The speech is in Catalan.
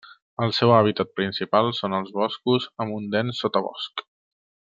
El seu hàbitat principal són els boscos amb un dens sotabosc.